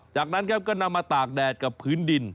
จากนั้นครับก็นำมาตากแดดกับพื้นดิน